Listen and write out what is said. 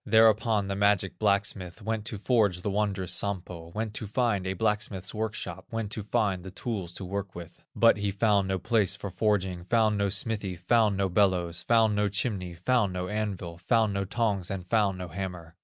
Thereupon the magic blacksmith Went to forge the wondrous Sampo, Went to find a blacksmith's workshop, Went to find the tools to work with; But he found no place for forging, Found no smithy, found no bellows, Found no chimney, found no anvil, Found no tongs, and found no hammer.